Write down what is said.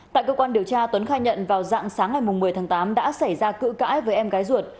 tại cơ quan điều tra tuấn khai nhận vào dạng sáng ngày một mươi tháng tám đã xảy ra cự cãi với em gái ruột